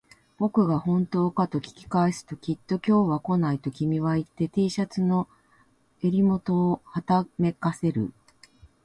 僕が本当かと聞き返すと、きっと今日は来ないと君は言って、Ｔ シャツの襟元をはためかせる